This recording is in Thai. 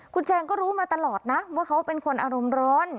คุณแจงก็รู้มาตลอดนะว่าเขาเป็นคนอารมณ์ร้อน